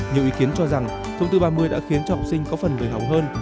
nhiều ý kiến cho rằng thông sư ba mươi đã khiến cho học sinh có phần lười học hơn